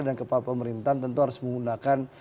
dan kepala pemerintah tentu harus menggunakan